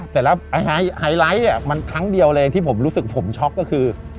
เสร็จแล้วไฮไลท์มันครั้งเดียวเลยที่ผมรู้สึกผมช็อกก็คือ